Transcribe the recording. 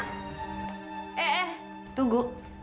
eh eh tunggu